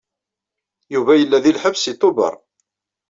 Yuba yella deg lḥebs seg Tubeṛ.